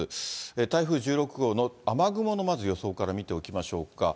台風１６号の雨雲のまず予想から見ていきましょうか。